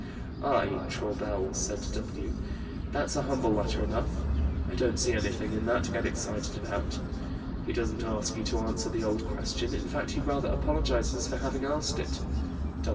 "I [Traubel] said to W.: 'That's a humble letter enough: I don't see anything in that to get excited about. He doesn't ask you to answer the old question. In fact he rather apologizes for having asked it.'